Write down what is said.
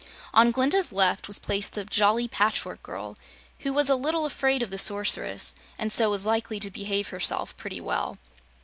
On Glinda's left was placed the jolly Patchwork Girl, who was a little afraid of the Sorceress and so was likely to behave herself pretty well.